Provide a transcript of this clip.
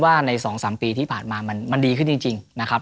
ว่าใน๒๓ปีที่ผ่านมามันดีขึ้นจริงนะครับ